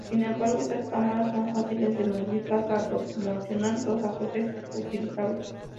Sin embargo, estas cámaras son fáciles de modificar para proporcionar dos ajustes utilizables.